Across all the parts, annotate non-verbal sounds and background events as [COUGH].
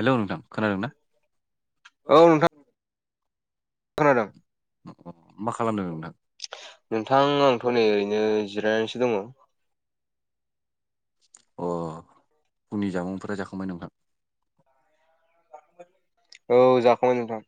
Hello नोंथां खोनादों ना औ नोंथां खोनादों। खोनादों। मा खालामदों नोंथां? नोंथां आंथ' नै ओरैनो जिरायनानैसो दड। अ फुंनि जामुंफोरा जाखांबाय नोंथां? औ जाखांबाय नोंथां।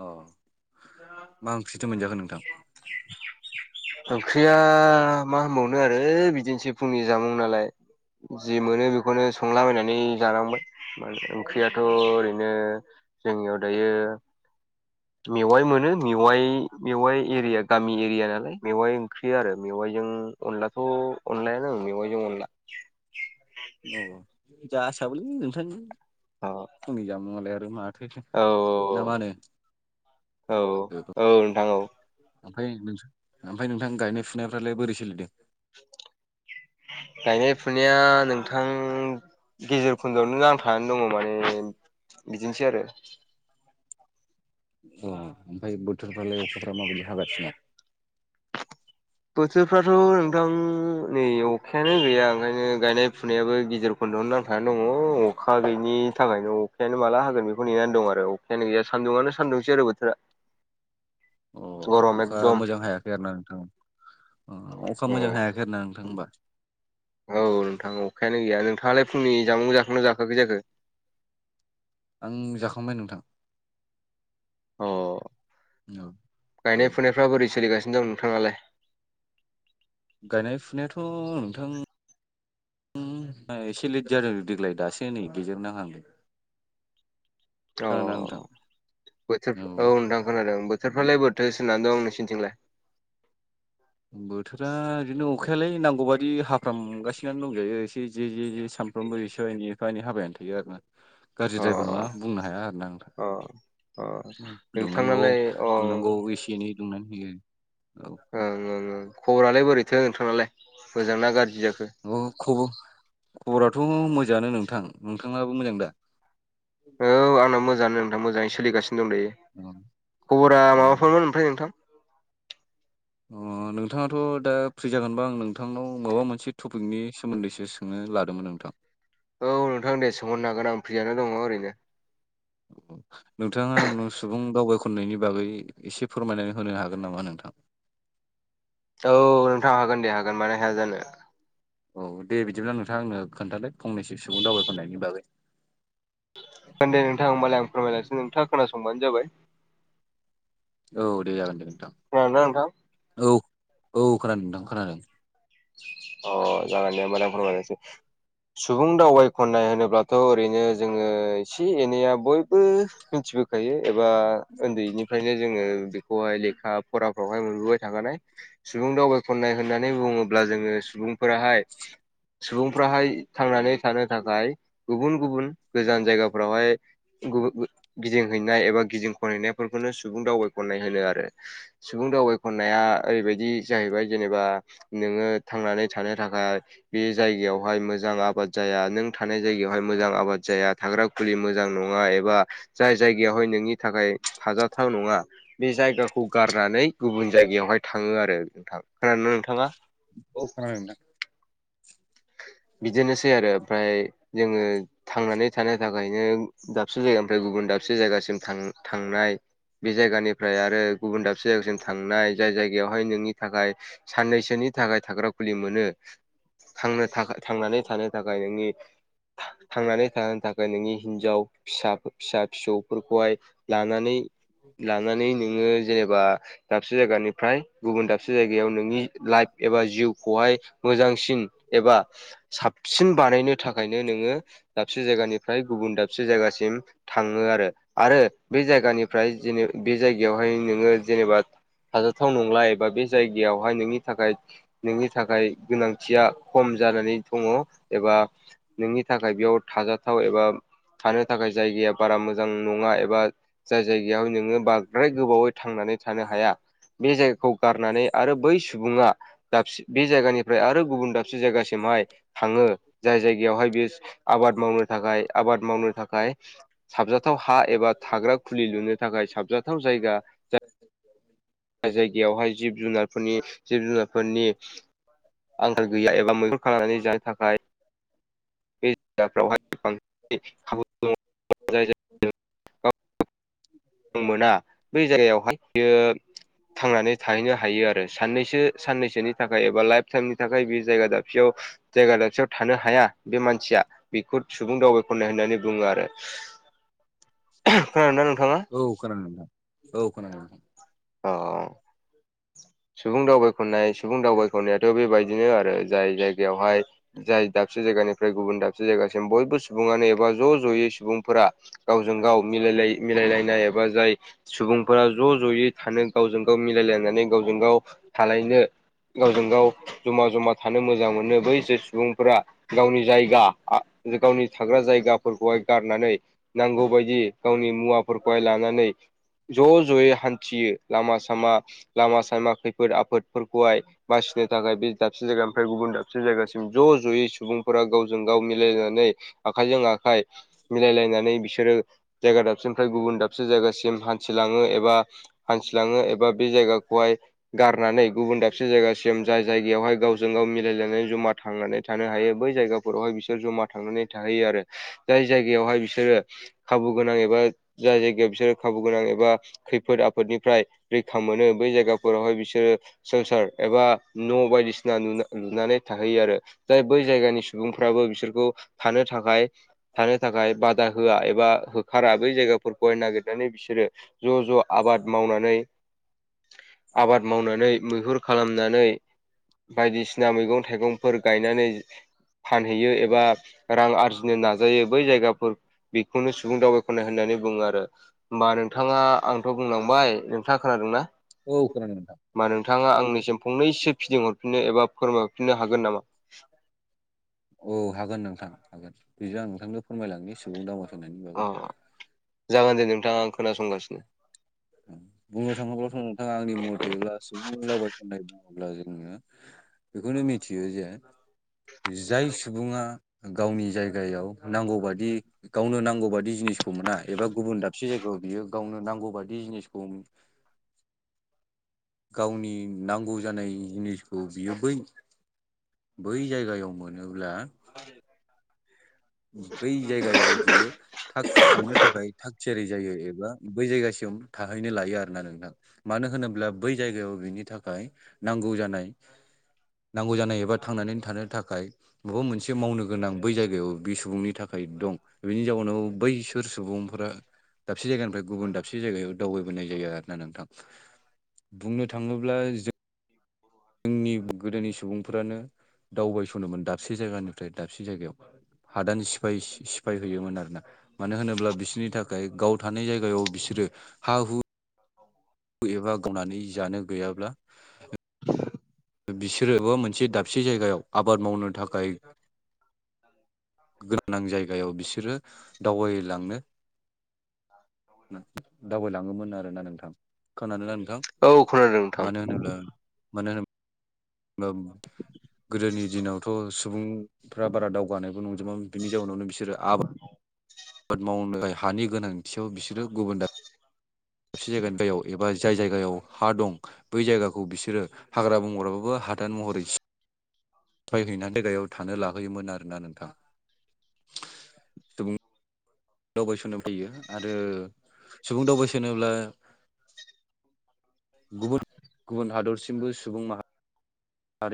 अ मा ओंख्रिथो मोनजाखो नोंथां? ओंख्रिया मा होनबावनो आरो बिदिनोसै फुंनि जामुं नालाय जि मोनो बेखौनो संलाबायनानै जानांबाय [UNINTELLIGIBLE] ओंख्रिया थ' ओरैनो जोंनियाव दायो मेवाइ मोनो मेवाइ' मेवाइ एरिया गामि एरिया नालाय मेवाइ ओंख्रि आरो मेवाइजों अनलाखौ' अनलायानो ओं मेवाइजों अनला औ औ जासाबोलै नोंथां। औ औ। फुंनि जामुंआलाय आरो माथो ना मा होनो। औ औ औ नोंथां औ। ओमफ्राय नों ओमफ्राय नोंथां गायनाय फुनायफ्रालाय बोरै सोलिदों? गायनाय फुनाया नोंथां गेजेर खुन्दआवनो नांथानानै दङ माने बिदिनोसै आरो अ ओमफ्राय बोथोरफ्रालाय अखाफ्रा माबायदि हागासिनो? बोथोरफ्राथ' नोंथां नै अखायानो गैया ओंखायनो गायनाय फुनायाबो गिजेर खन्दआवनो नांथानानै दङ अखा गैयिनि थाखायनो। अखायानो माला हागोन बेखौ नेनानै दं आरो अखायानो गैया सान्दुंआनो सान्दुंसै आरो बोथोरा। अ गरम अखा एकदम मोजां हायाखै आरो ना नोंथां अखा औ मोजां हायाखै आरोना नोंथां होनबा। औ नोंथां अखायानो गैया नोंथाङालाय फुंनि जामुं जाखांबाय ना जाखांयाखै जाखो आं जाखांबाय नोंथां। अ औ औ गायनाय फुनायफ्रा बोरै सोलिगासिनो दं नोंथानालाय? गायनाय फुनायाथ' नोंथां एसे लेट जादों देग्लाय दासो नै गेजेर नांहांदों। औ नोंथां बोथोर औ नोंथां खोनादों बोथोरफ्रालाय बोथोर [UNINTELLIGIBLE] दं नोंसनिथिंलाय बोथोरा बिदिनो अखायालाय नांगौ बाददि हफ्रामगासिनोनो दंजायो एसे जे जे जे सानफ्रोमबो एसे एनै एफा एनै हाबायानो थायो आरो ना गाज्रि अ द्रायबो नङा बुंनो हाया आरोना अ नोंथां। दुंनांगौ नोंथांनालाय अ ओं दुंनांगौ एसे एनै दुंनानै होयो औ। ओं ओं ओं खबरालाय बोरैथो नोंथांनालाय मोजां ना गाज्रि जाखो? अ खबर खबराथ' मोजाङानो नोंथां नोंथाङाबो मोजां दा? औ आंना मोजाङानो नोंथां मोजाङै सोलिगासिनो दं दायो। अ खबरा माबाफोरमोन ओमफ्राय नोंथां? अ नोंथाङाथ' दा फ्रि जागोनबा आं नोंथांनाव माबा मोनसे टपिकनि सोमोन्दैसो सोंनो लादोंमोन नोंथां। औ नोंथां दे सोंहरनो हागोन आं फ्रियानो दङ ओरैनो। औ नोंथाङा आं सुबुं दावबायखननायनि बागै एसे फोरमायनानै होनो हागोन नामा नोंथां? औ नोंथाङा हागोन दे हागोन मानो हाया जानो। औ दे बिदिब्ला नोंथां आंनो खोनथादों फनसो सुबुं दावबायखरनायनि बागै। ओं दे नोंथां ओमबालाय आं फोरमायलांनोसै नोंथाङा खोनासंबानो जाबाय। औ दे जागोन दे नोंथां। [INAUDIBLE] नोंथां। औ औ खोनादों नोंथां खोनादों। अ जागोन मानफोराय। सुबुं दावबाय खननाय होनोब्लाथ' ओरैनो जोङो एसे एनैया। बयबो मिथिबोखायो एबा उन्दैनि ओंखायनो जोङो बेखौहाय लेखा फराफ्रावहाय मोनबोबाय थाखानाय। सुबुं दावबाय ख'नाय होननानै बुङोब्ला जोङो सुबुंफोराहाय। सुबुंफ्राहाय थांनानै थानो थाखाय गुबुन गुबुन गोजान जायगाफ्रावहाय गुब गिदिंहैनाय एबा गिदिं खनहैनायफोरखौनो सुबुं दावबायखननाय होनो आरो। सुबुं दावबायखननाया ओरैबायदि जाहैबाय जेनेबा। नोङो थांनानै थानो थाखाय। बे जायगायावहाय मोजां आबाद जाया नों थानाय जायगायावहाय मोजां आबाद जाया थाग्रा फुलि मोजां नङा एबा जाय जायगायावहाय नोंनि थाखाय थाजाथाव नङा। बे जायगाखौ गारनानै गुबुन जायगायावहाय थाङो आरो नोंथां खोनानोा नोंथाङा औ खोनांदों नोंथां। बिदिनोसै आरो ओमफ्राय जोङो थांनानै थानो थाखायनो दाबसे जायगानिफ्राय गुबुन दाबसे जायगासिम थां-थांनाय बे जायगानिफ्राय आरो गुबुन दाबसे जायगासिम थांनाय जाय जायगायावहाय नोंनि थाखाय साननैसोनि थाखाय थाग्रा खुलि मोनो थांनानै थानो थाखाय नोंनि थांनानै थानो थाखाय नोंनि हिनजाविसा फिसा फिसौ। फोरखौहाय लानानै लानानै नोङो जेनेबा दाबसे जायगानि। फ्राय गुबुन दाबसे जायगायाव नोंनि लाइफ एबा जिउखौहाय मोजांसिन। एबा। साबसिन बानायनो थाखायनो नोङो दाबसे जायगानिफ्राय गुबुन दाबसे जायगासिम। थाङो आरो आरो बे जायगानिफ्राय जे बे जायगायावहाय नोङो जेनेबा हाजाथाव नंला एबा बे जायगायावहाय नोंनि थाखाय नोंनि थाखाय गोनांथिया खम जानानै दङ एबा नोंनि थाखाय बेयाव थाजाथाव एबा थानो थाखाय जायगाया बारा मोजां नङा एबा जाय जायगायाव नोङो बार बांद्राय गोबावै थांनानै थानो हाया बे जायगाखौ गारनानै आरो बै सुबुङा दाबसे बे जायगानिफ्राय आरो गुबुन दाबसे जायगासिमहाय थाङो जाय जायगायावहाय बे आबाद मावनो थाखाय आबाद मावनो थाखाय साबजाथाव हा एबा थाग्रा खुलि लुनो थाखाय साबजाथाव जायगा जाय [INAUDIBLE] जायगायावहाय जिब जुनारफोरनि जिब जुनारफोरनि आंखाल गैया एबा मैहुन खालामनानै जानो थाखाय ावहाय बांसिन खाबु दङ। [INAUDIBLE] मोना बै जायगायावहाय बियो थांनानै थाहैनो हायो आरो साननैसो साननैसोनि थाखाय एबा लाइफ टाइमनि थाखाय बे जायगा दाबसेयाव जायगा दाबसेयाव थानो हाया बे मानसिया बेखौ सुबुं दावबायख'नाय होननानै बुङो आरो खोनादोंना नोंथाङा औ खोनादों नोंथां औ खोनादों नोंथां औ सुबुं दावबायखनाय सुबुं दावबायख'नायाथ' बेबायदिनो आरो जाय जायगायावहाय जाय दाबसे जायगानिफ्राय गुबुन दाबसे जायगासिम बयबो सुबुङानो एबा ज' ज'यै सुबुंफोरा गावजों गाव मिलाय मिलायलायनाय एबा जाय सुबुं फोरा ज' ज'यै थानो गावजों गाव मिलायलायनानै गावजों गाव थालायनो गावजों गाव जमा जमा थानो मोजां मोनो बै जो सुबुंफोरा गावनि जायगा गावनि थाग्रा जायगाफोरखौहाय गारनानै नांगौबायायदि गावनि मुवाफोरखौहाय लानानै ज' ज'यै हान्थियो लामा सामा लामा सामा खैफोद आफोदफोरखौहाय बासिनो थाखाय बे दाबसे जायगा ओमफ्राय गुबुन दाबसे जायगासिम ज' ज'यै सुबुं फोरा गावजों गाव मिलायनानै आखाइजों आखाय मिलायलायनानै बिसोरो जायगा दाबसेनिफ्राय गुबुन दाबसे जायगासिम हान्थिलाङो एबा हान्थिलाङो एबा बे जायगा ग'आय गारनानै गुबुन दाबसे जायगासिम जाय जायगायावहाय गावजों गाव मिलायलायनानै जमा थांनानै थानो हायो बै जायगाफोरावहाय बिसोर जमा थांनानै थाहैयो आरो। जाय जायगायावहाय बिसोरो खाबु गोनां एबा जाय जायगायाव बिसोर खाबु गोनां एबा खैफोद आफोदनिफ्राय रैखा मोनो बै जायगाफोरावहाय बिसोरो सोसार एबा न' बायदिसिना नुना नुनो लुनानै थाहैयो आरो जाय बै जायगानि सुबुंफ्राबो बिसोरखौ थानो थाखाय थानो थाखाय बादा होआ एबा होखारा बै जायगाफो गय नागिरनानै बिसोरो ज' ज' आबाद मावनानै आबाद मावनानै मैहुर खालामनानै बायदिसिना मैगं थाइगंफोर गायनानै फानहैयो एबा रां आरजिनो नाजायो बै जायगाफोर बेखौनो सुबुं दावबायखनाय होननानै बुङो आरो होमबा नोंथाङा आंथ' बुंलांबाय नोंथाङा खोनादोंना? औ खोनादों नोंथां। मा नोंथाङा आंनिसिम फंनैसो फिदिंह हरफिननो एबा फोरमायरफिननो हागोन नामा? औ हागोन नोंथां हागोन बेजों आं नोंथांनो फोरमायलांनि सुबुं दावा अ जागोन दे नोंथाङा आं खोनासंगासिनो। बुंनो थाङोब्लाथ' नोंथाङा आंनि मथैयोब्ला सुबुंनि दावबायसननाय बुङोब्ला जोङो बेखौनो मिथियो जे जाय सुबुङा गावनि जायगायाव नांगौबादि गावनो नांगौ बाददि जिनिसखौ मोना एबा गुबुन दाबसे जायगायाव बियो गावनो नांगौ बायदि जिनिसखौ गावनि नांगौ जानाय जिनिसखौ बियो बै बै जायगायाव मोनोब्ला [INAUDIBLE] बै जायगायाव बियो थाग थांनो थाखाय थाग थियारि जायो एबा बै जायगासिम थाहैनो लायो आरो ना नोंथां। मानो होनोब्ला बै जायगायाव बिनि थाखाय नांगौ जानाय नांगौ जानाय एबा थांनानै थानो थाखाय माबा मोनसे मावनो गोनां बै जायगायाव बे सुबुंनि थाखाय दं बेनि जाउनाव बैसोर सुबुंफोरा दाबसे जायगानिफ्राय गुबुन दाबसे जायगायाव दावबायबोनाय जाया आरो ना नोंथां। बुंनो थाङोब्ला जो ओंनि गोदोनि सुबुंफ्रानो दावबायस'नोमोन दाबसे जायगानि ट्राय दाबसे जायगायाव हादान सिफायसि सिफाय होयोमोन आरोना मानो होनोब्ला बिसिनि थाखाय गाव थानाय जायगायाव बिसोरो हा हु औ औ। एबा गावनानै जानो गैयाब्ला [INAUDIBLE] बिसोरबो मोनसे दाबसे जायगायाव आबाद मावनो थाखाय गोनां जायगायाव बिसोरो दावबायलांनो दावबायलाङोमोन आरोना नोंथां खोनादोंना नोंथां औ खोनादों नोंथां मानो होनोब्ला मानो होनोब्ला ओबा गोदोनि दिनावथ' सुबुं फ्रा बारा दावगानायबो नंजोबा बिनि जाउनावनो बिसोरो आबाद आबाद मावनो हानि गोनांथियाव बिसोरो गुबुन दा साबसे जायगानिफ्रायाव एबा जाय जायगायाव हा दं बै जायगाखौ बिसोरो हाग्रा बंग्राबाबो हादान महरै सिफायहैनानै गायाव थानो लाहैयोमोन आरोना नोंथाङा। दावबायसनो फैयो आरो सुबुं दावबायसोनोब्ला गुबुन गुबुन हादरसिमबो सुबुं माहारि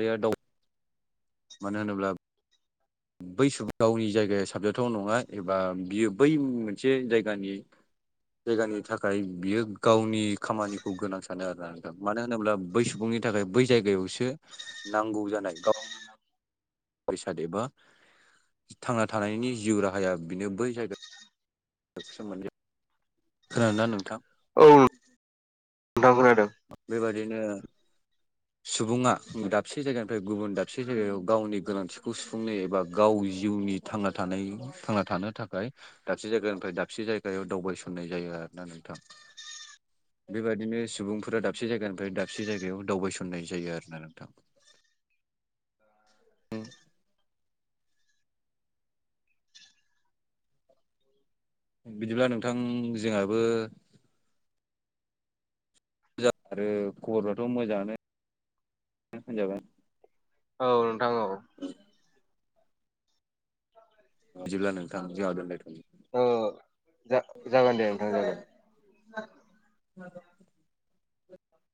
रिया दाव मानो होनोब्ला बै सुबुं गावनि जायगाया साबजाथाव नङा एबा बियो बै मोनसे जायगानि जायगानि थाखाय बियो गावनि खामानिखौ गोनां सानो आरो ना। मानो होनोब्ला बै सुबुंनि थाखाय बै जायगायावसो नांगौ जानाय बेसाद एबा थांना थानायनि जिउ राहाया बेनो बै जायगा सोमोनदै खोनादोंना नोंथां? औ [UNINTELLIGIBLE] बेबायदिनो सुबुङा दाबसे जायगानिफ्राय गुबुन दाबसे जायगायाव गावनि गोनांथिखौ सुफुंनो एबा गाव जिउनि थांना थानाय थांना थानो थाखाय दाबसे जायगानिफ्राय दाबसे जायगायाव दावबायसननाय जायो आरोना नोंथां। बेबायादिनो सुबुंफोरा दाबसे जायगानिफ्राय दाबसे जायगायाव दावबायसननाय जायो आरोना नोंथां। [UNINTELLIGIBLE] बिदिब्ला नोंथां जोंहाबो मोजां आरो खबरफ्राथ' मोजाङानो होनजाबाय औ नोंथां औ बिदिब्ला नोंथां जोंहा दोनलायथ' औ जागोन दे नोंथां जागोन। [UNINTELLIGIBLE]